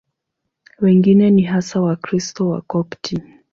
Wengine ni hasa Wakristo Wakopti.